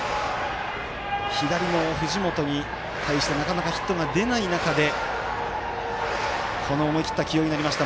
左の藤本に対してのなかなかヒットが出ない中で思い切った起用になりました。